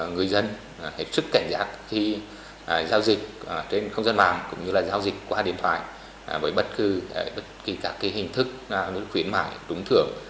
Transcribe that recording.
người dân hết sức cảnh giác khi giao dịch trên không gian mạng cũng như là giao dịch qua điện thoại với bất cứ bất kỳ các hình thức khuyến mại trúng thưởng